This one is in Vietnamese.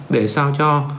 để sao cho